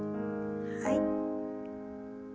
はい。